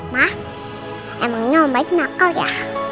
mah emangnya om baik nakal ya